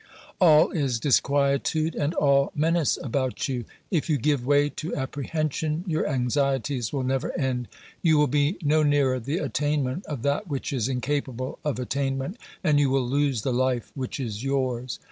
All is disquietude and all menace about you ; if you give way to apprehension, your anxieties will never end. You will be no nearer the attainment of that which is incapable of attainment, and you will lose the life which is yours.